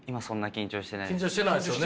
緊張してないですよね。